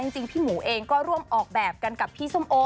จริงพี่หมูเองก็ร่วมออกแบบกันกับพี่ส้มโอ